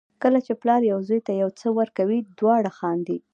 کله چې پلار یو زوی ته یو څه ورکوي دواړه خاندي.